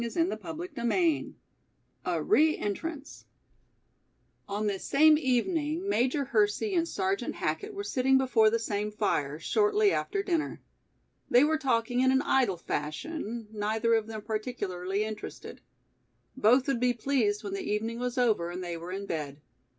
CHAPTER XV A Re Entrance ON this same evening Major Hersey and Sergeant Hackett were sitting before the same fire, shortly after dinner. They were talking in an idle fashion, neither of them particularly interested. Both would be pleased when the evening was over and they were in bed.